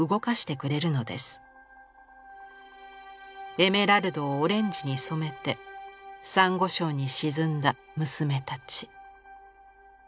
エメラルドをオレンジに染めてさんご礁に沈んだ娘たち」。